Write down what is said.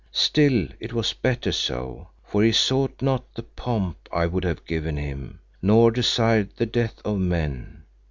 Still it was better so, for he sought not the pomp I would have given him, nor desired the death of men.